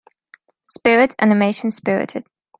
Spirit animation Spirited.